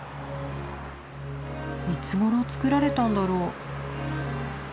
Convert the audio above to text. いつごろ造られたんだろう。